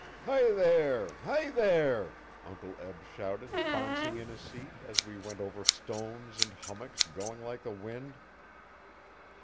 'Hi there! hi there!' Uncle Eb shouted, bouncing in his seat, as we went over stones and hummocks going like the wind.